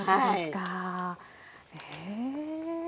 へえ。